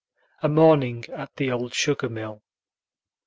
A MORNING AT THE OLD SUGAR MILL.